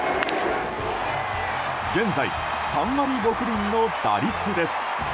現在３割６厘の打率です。